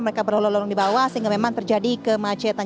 mereka berlalu lalu di bawah sehingga memang terjadi kemacetan